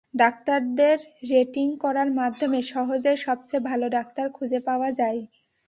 ডাক্তারদের রেটিং করার মাধ্যমে সহজেই সবচেয়ে ভালো ডাক্তার খুঁজে পাওয়া যায়।